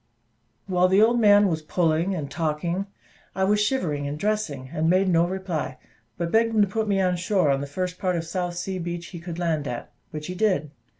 While the old man was pulling and talking, I was shivering and dressing, and made no reply; but begged him to put me on shore on the first part of South Sea Beach he could land at, which he did.